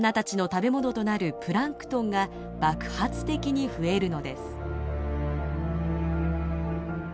食べ物となるプランクトンが爆発的に増えるのです。